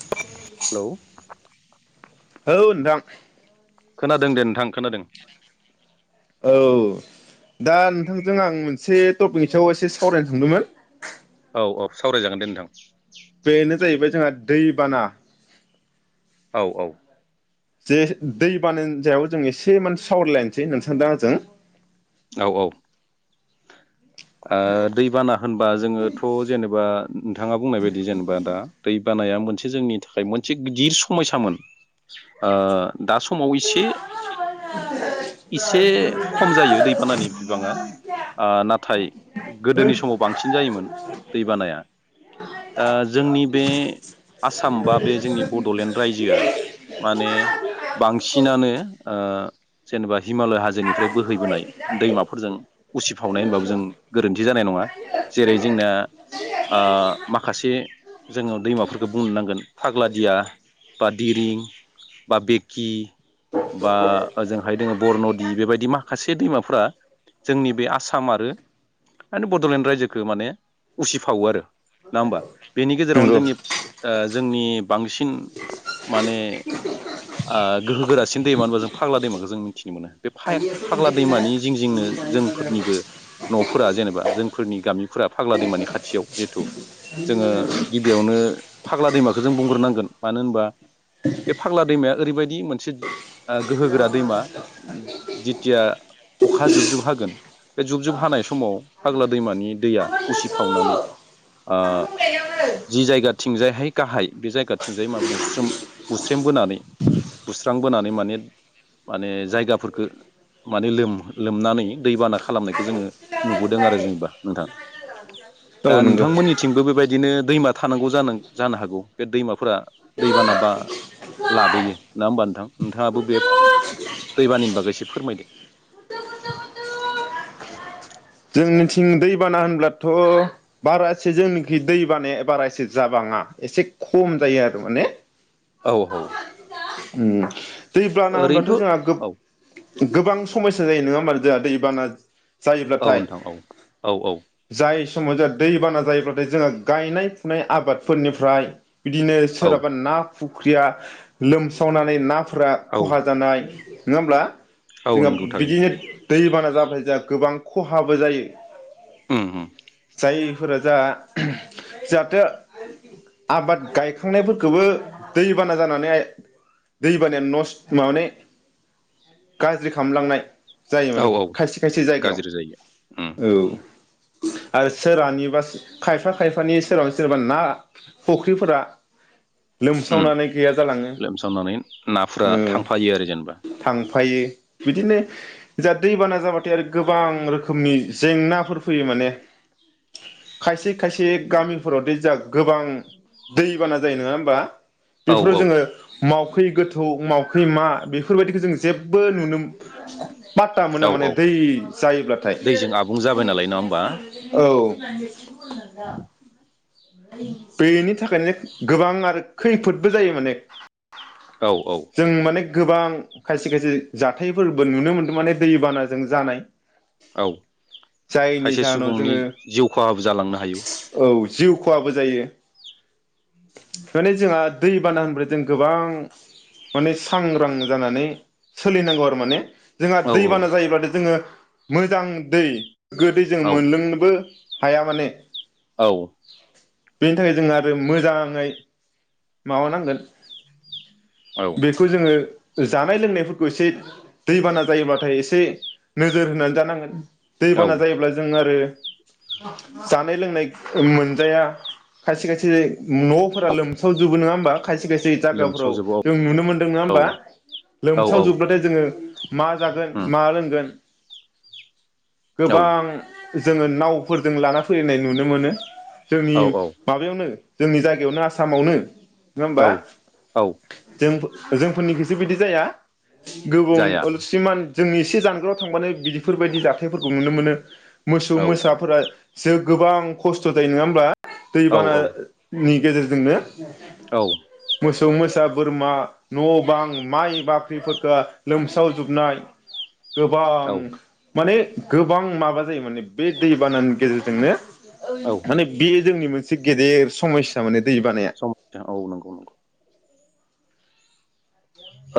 Hello औ नोथां। खोनादों दे नोंथां खोनादों। औ दा नोंथांजों आं मोनसे टपिकनि सायाव एसे सावरायनो सानदोंमोन। औ औ सावरायजागोन दे नोंथां। बेनो जाहैबाय जोंहा दै बाना औ औ जे दै बानानि सायाव जों एसे माने सावरायलायनोसै नोंसा दा आंजों औ औ ओ दैबाना होनबा जोङोथ' जेनेबा नोंथाङा बुंनाय बायदि जेनेबा दा दै बानाया मोनसे जोंनि थाखाय मोनसे गिदिर समायसामोन आ दा समाव एसे एसे खम जायो दैबानानि बिबाङा आ नाथाय गोदोनि समाव बांसिन जायोमोन। दैबानाया दा जोंनि बे आसाम बा बे जोंनि बड'लेण्ड रायजोआ माने बांसिनानो ओ जेनेबा हिमालय हाजोनिफ्राय बोहैबोनाय दैमाफोरजों उसिफावनाय होनबाबो जों दि जानाय नङा जेरै जोंना ओ माखासे जोङो दैमाफोरखौ बुंनो नांगोन फाग्ला दिया बा दिरिं बा बेकि बा ओजोंहाय दोङो बरनदि बेबायदि माखासे दैमाफोरा जोंनि बे आसाम आरो माने बड'लेण्ड रायजोखो माने उसिफावो आरो नङा होमबा बेनि गेजेरावनो जोंनि ओ जोंनि बांसिन माने ओ गोहो गोरासिन दैमा होनबा जों फाग्ला दैमाखौ जों मिथिनो मोनो। बे फाय फाग्ला दैमानि जिं जिंनो जोंफोरनिबो अ' फोरा जेनेबा जोंफोरनि गामिफोरा फाग्ला दैमानि खाथियाव जिहेथु जोङो गिबियावनो फाग्ला दैमाखौ जों बुंग्रोनांगोन मानो होनबा बे फाग्ला दैमाया ओरैबायदि मोनसे ओ गोहो गोरा दैमा जिथिया अखा जुबजुब हागोन बे जुब जुब हानाय समाव फाग्ला दैमानि दैया उसि फावनानै ओ जि जायगाथिं जायहाय गाहाय बे जायगाथिंजाय मा बुस्रोम बुस्रेमबोनानै बुस्रांबोनानै माने माने जायगाफोरखो माने लोम लोमनानै दैबाना खालामनायखौ जोङो नुबोदों आरो जेनबा नोंथां। नंगौ दा औ नंगौ नोंथांमोननिथिंबो बेबायदिनो दैमा थानांगौ जानां जानो हागौ बे दैमाफोरा दैबाना बा लाबोयो नङा होमबा नोंथां। नोंथाङाबो बे दैबानानि बागै एसे फोरमायदो? जोंनिथिं दैबाना होनब्लाथ' बारा एसे जोंनिखि दैबानाया बारा एसे जाबाङा एसे खम जायो आरो माने। औ औ उम दै ब्लाना होनब्लाथ' ओरैनोथ' जोंहा औ गोबां समस्या जायो नोङा होमबा आरो जोंहा दैबाना औ जायोब्लाथाय नोंथां औ औ औ जाय समाव जोंहा दै बाना जायोब्लाथाय जोंहा गायनाय फुनाय आबादफोरनिफ्राय बिदिनो औ सोरहबा ना फुख्रिया लोम सावनानै ना फोरा औ खहा जानाय। नोङा होमब्ला? औ जोंहा नंगौ थारैनो बिदिनो दैबाना जा फ्राय जोंहा गोबां खहाबो जायो। उम उम जायफोरा जा जाहाथे आबाद गायखांनायफोरखौबो दैबाना जानानैहाय दैबानाया नस माने गाज्रि खामलांनाय। जायो औ माने औ खायसे खायसे जायगायाव गाज्रि जायो उम औ आरो सोरानिबा खायफा खायफानि सोरनि सोरबा ना फुख्रिफोरा लोमसावनानै गैया जालाङो। खालामनानै नाफोरा थांफायो आरो जेनेबा फायो बिदिनो जा दैबाना जाबाथाय आरो गोबां रोखोमनि जेंनाफोर फैयो माने खायसे खायसे गामिफोराव [unintelligible] गोबां दैबाना जायो नङा होमबा? औ बेफोराव औ जोङो मावखै गोथौ मावखै मा बेफोरबायदिखो जों जेबबो नुनो पात्ता मोना औ माने औ दै जायोब्लाथाय दैजों आबुं जाबाय नालाय नङा होमबा औ [inaudible] [unintelligible] बेनि थाखायनो गोबां आरो खैफोदबो जायो माने। औ औ जों माने गोबां खायसे खायसे जाथायफोरबो नुनो मोन्दों माने दैबानाजों जानाय। औ जायनि खायसे जाहोनाव सुबुंनि जोङो जिउ खहाबो जालांनो हायो। औ जिउ खहाबो जायो माने जोंहा दैबाना [unintelligible] जों गोबां माने सांग्रां जानानै सोलिनांगौ आरो माने जोंहा औ दैबाना जायोबाथाय जोङो मोजां दै गोदै जों मोनलोंनोबो हाया माने औ बेनि थाखाय जों आरो मोजाङै माबानांगोन औ बेखौ जोङो जानाय लोंनायफोरखौ एसे दैबाना जायोब्लााथाय एसे नोजोर होनानै जानांगोन। औ दैबाना जायोब्ला जों आरो जानाय लोंनाय मोनजाया खायसे खायसे न'फोरा लोमसावजोबो नङा होमबा खायसे खायसे ग जायगाफोराव लोमसावजोबो औ जों नुनो मोन्दों नङा होमबा औ लोमसाव औ जोबब्लाथाय जोङो। मा जागोन मा लोंगोन गोबां जोङो नावफोरजों लाना फैनाय नुनो मोनो। जोंनि औ माबायावनो जोंनि जायगायावनो आसामावनो औ नङामबा औ जों जोंफोरनिखौसो बिदि जाया जाया गोबाव सिमान जोंनि एसे जानगाराव थांबानो बिदिफोरबायदि जाथायफोरखौ नुनो मोनो। मोसौ औ मोसाफोरा जों गोबां खस्थ' जायो नङा होमब्ला औ औ दैबानानि गेजेरजोंनो औ मोसौ मोसा बोरमा न' बां माइ बाख्रिफोरखौ लोमसावजोबनाय गोबां औ माने गोबां माबा जायो माने बे दै बानानि गेजेरजोंनो औ माने बि जोंनि मोनसे गेदेर समायसा माने दै बानाया समायसाऔ नंगौ नंगौ।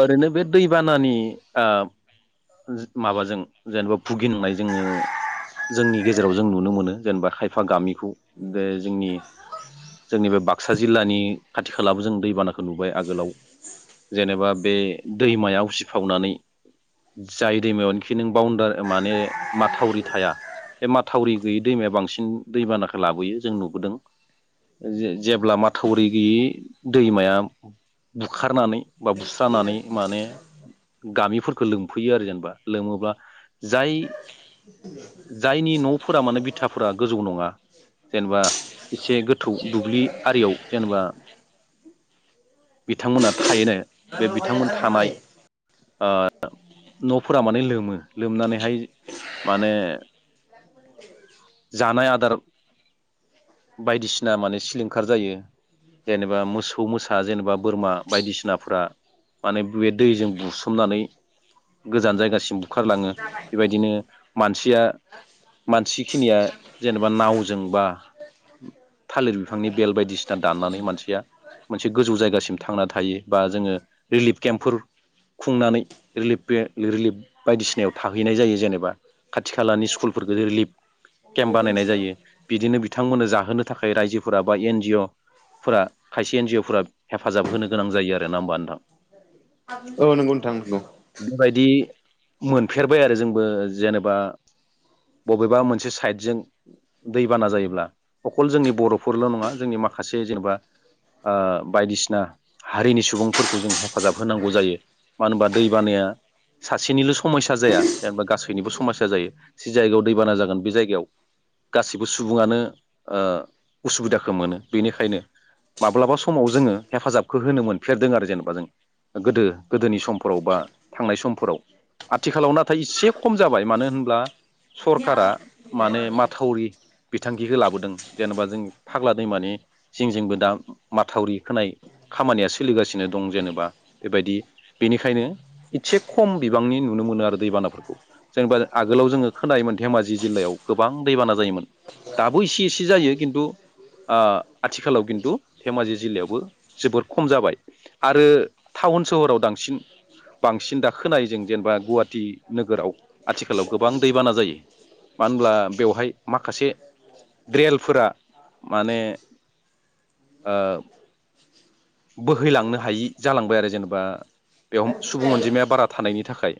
ओरैनो बे दैबानानि आ माबाजों जेनेबा भुगिननाय जोङो जोंनि गेजेराव जों नुनो मोनो जेनेबा खायफा गामिखौ बे जोंनि जोंनि बे बाक्सा जिल्लानि खाथि खालाबो जों दैबानाखौ नुबाय आगोलाव जेनेबा बे दैमाया उसिफावनानै जाय दैमायावनोखि नों बाउदार माने माथावरि थाया बे माथावरि गैयै दैमाया बांसिन दैबानाखौ लाबोयो जों नुबोदों जेब्ला माथावरि गैयि दैमाया बुखारनानै बा बुस्रानानै माने गामिफोरखौ लोमफैयो आरो जेनेबा लोमोब्ला जाय जायनि न'फोरा माने बिथाफोरा गोजौ नङा जेनेबा एसे गोथौ दुब्लि आरियाव जेनेबा बिथांमोना थायोनो। बे बिथांमोन थानाय ओ न'फोरा माने लोमो लोमनानैहाय माने जानाय आदार बायदिसिना माने सिलिंखार जायो जेनेबा मोसौ मोसा जेनेबा बोरमा बायदिसिना फोरा माने बे दैजों बुसोमनानै गोजान जायगासिम बुखारलाङो बेबायदिनो मानसिया मानसिखिनिया जेनेबा नावजों बा थालिर बिफांनि बेल बायदिसिना दाननानै मानसिया मोनसे गोजौ जायगासिम थांना थायो। बा जोङो रिलिफ केम्पफोर खुंनानै रिलिफ रिलिफ बायदिसिनायाव थाहैनाय जायो जेनेबा खाथि खालानि स्कुलफोरखौ रिलिफ केम्प बानायनाय जायो बिदिनो बिथांमोननो जाहोनो थाखाय रायजोफोरा बा एन जि अ फोर खायसे एन जि अ फोर हेफाजाब होनो गोनां जायो आरो दे ना होमबा नोंथां? औ नोंगौ नोंथां नोंगौ। बेबायदि मोनफेरबाय आरो जोंबो जेनेबा बबेबा मोनसे साइदजों दैबाना जायोब्ला अखल जोंनि बर'फोरल' नङा जोंनि माखासे जेनेबा ओ बायदिसिना हारिनि सुबुं सुबुंफोरखौ जों हेफाजाब होनांगौ जायो मानो होनबा दैबानाया सासेनिल' समयया जाया जेनबा गासैनिबो समयया जायो जि जायगायाव दैबाना जागोन बे जायगायाव गासैबो सुबुङानो ओ उसुबिदाखौ मोनो बेनिखायनो माब्लाबा समाव जोङो हेफाजाबखौ होनोमोन फेरदों आरो जेनेबा जों गोदो गोदोनि समफोराव बा थांनाय समफोराव आथिखालाव नाथाय एसे खम जाबाय मानो होनब्ला सरखारारा माने माथावरि बिथांखिखौ लाबोदों जेनेबा जों फाग्ला दैमानि जिं जिंबो दा माथावरि होनाय खामानियासो सोलिगासिनो दं जेनेबा बेबायदि बेनिखायनो इसे खम बिबांनि नुनो मोनो आरो दैबानाफोरखौ जेनेबा आगोलाव जोङो खोनायोमोन धेमाजि जिल्लायाव गोबां दैबाना जायोमोन दाबो इसे एसे जायो खिन्थु आथिखालाव खिन्थु धेमाजि जिल्लायावबो जोबोद खम जाबाय आरो टाउन सोहराव बांसिन बांसिन दाखोनाय जों जेनेबा गुवाहाटि नोगोराव आथिखालाव गोबां दैबाना जायो मानो होनब्ला बेवहाय माखासे द्रेलफोरा माने ओ बोहैलांनो हायि जालांबाय आरो जेनेबा बेव सुबुं अनजिमाया बारा थानायनि थाखाय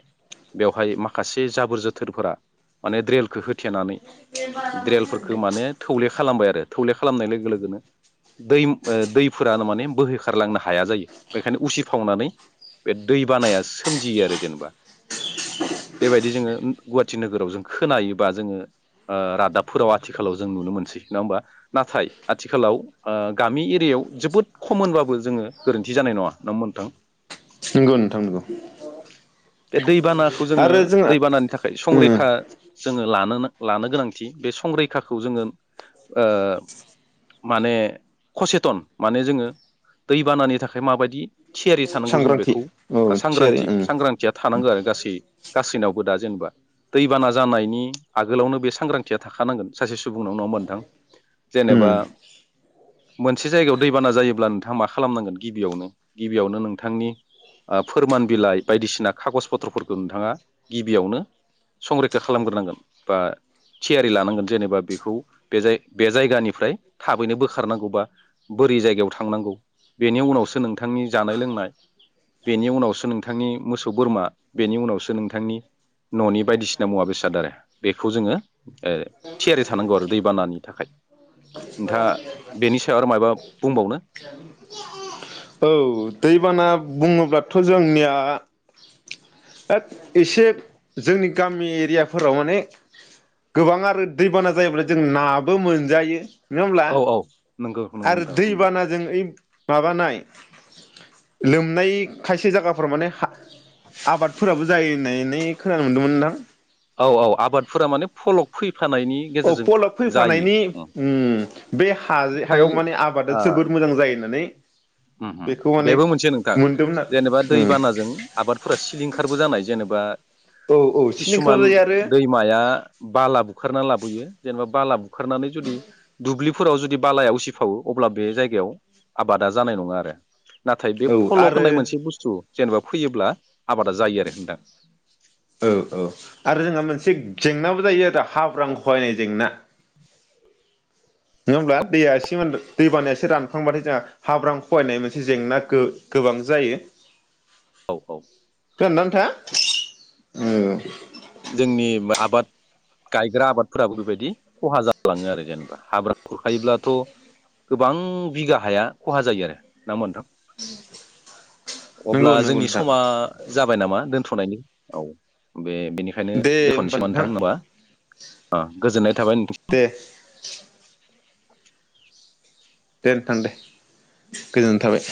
बेवहाय माखासे जाबोर जोथोरफोरा माने द्रेलखौ होथेनानै द्रेलफोरखौ माने थौले खालामबाय आरो थौले खालामनाय लोगो लोगोनो दै दैफोरानो माने बोहोखारलांनो हाया जायो बेखायनो उसिफावनानै बे दै बानाया सोमजियो आरो जेनेबा बेबायदि जोङो गुवाहाटि नोगोराव जों खोनायोबा जोङो रादाबफोराव आथिखालाव जों नुनो मोनसै नङा होमबा नाथाय आथिखालाव गामि एरियायाव जोबोद खममोनबाबो जोङो गोरोन्थि जानाय नङा नों नोंथां? नंगौ नोंथां नंगौ। बे दैबानाखौ जोङो आरो जोंहा दैबानानि थाखाय उम संरैखा जोङो लानो लानो गोनांथि बे संरैखाखौ जोङो ओ माने कसेथन माने जोङो दैबानानि थाखाय माबायदि थियारि थानांगौ जों सांग्रांथि बेखौ औ थियारि सांग्रांथि उम सांग्रांथिया बां आरो गासै गासैनावबो दा जेनेबा दैबाना जानायनि आगोलावनो बे सांग्रांथिया थाखानांगोन सासे सुबुंनाव नङा होनबा नोंथां जेनेबा उम मोनसे जायगायाव दैबाना जायोब्ला नोंथाङा मा खालामनांगोन गिबियावनो गिबियावनो नोंथांनि फोरमान बिलाइ बायदिसिना खागस फथ्र'फोरखौ नोंथाङा गिबियावनो संरैखा खालामग्रोनांगोन बा थियारि लानांगोन जेनेबा बेखौ बे जायगानिफ्राय थाबैनो बोखारनांगौ बा बोरै जायगायाव थांनांगौ बेनि उनावसो नोंथांनि जानाय लोंनाय बेनि उनावसो नोंथांनि मोसौ बोरमा बेनि उनावसो नोंथांनि न'नि बायदिसिना मुवा बेसाद आरो बेखौ जोङो ओ थियारि थानांगौ आरो दैबानानि थाखाय नोंथाङा बेनि सायाव आरो मा बुंबावनो औ दैबाना बुङोब्लाथ' जोंनिया एथ एसे जोंनि गामि एरियाफोराव माने गोबां आरो दैबाना जायोब्ला जों नाबो मोनजायो नङा होमब्ला औ औ नंगौ नंगौ आरो नोंथां नंगौ दैबानाजों ओइ माबानाय लोमनाय खायसे जायगाफोराव माने हा आबादफोराबो जायो होननानै खोनानो मोनदोंमोन नोंथां औ औ आबादफोरा माने फलक फै अ पलब फैफानायनि उम बे हाज ओमफ्राय हायाव माने आबादा ओ जोबोद मोजां जायो होननानै [inaudible] उम उम बेखौ माने बेबो मोनसे नोंथां मोनदोंमोन आरो जेनेबा उम दैबानाजों आबादफोरा सिलिंखारबो जानाय जेनेबा औ औ सिलिंखारबो किसुमान जायो दैमाया बाला बुखारना लाबोयो जेनेबा बालाब खारनानै जुदि दुब्लि फोराव जुदि बालाया उसिफावो अब्ला बे जायगायाव आबादा जा जानाय नङा आरो। नाथाय बे आरो औ फल' आरो होननाय मोनसे बुस्थु जेनेबा फैयोब्ला आबादा जायो आरो नोंथां औ औ आरो आरो जोंहा मोनसे जेंनाबो जायो आरो हाब्रां खहायनाय जेंना। नङा होमब्ला दैया एसे दै बानाया एसे रानखांबाथाय जोंहा हाब्रां खवायनाय मोनसे जेंना गो-गोबां जायो। औ औ खोनादोंना नोंथाङा? उम जोंनि आबाद गायग्रा आबादफोराबो बेबायदि ख'हा जालाङो आरो जेनेबा हाब्रा खुरखायोब्लाथ' गोबां बिगा हाया ख'हा जायो आरो नङा होमबा नोंथां? नंगौ अब्ला नंगौ जोंनि नोंथां समा जाबाय नामा दोन थनायनि औ बे ओंखायनो दे होमबा दोनथ'नोसै मोन नोंथां होमबा। अ गोजोननाय थाबाय नोंथां। दे दे नोंथां दे गोजोननाय थाबाय।